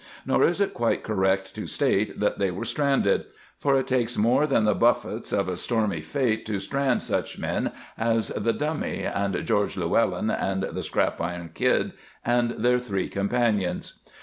Nor is it quite correct to state that they were stranded; for it takes more than the buffets of a stormy fate to strand such men as the Dummy and George Llewellyn and the Scrap Iron Kid and their three companions.